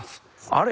あれ？